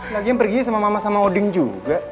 lagian pergi sama mama sama odin juga